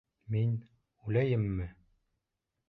Мин... үләйемме?